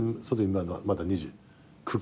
まだ２９か。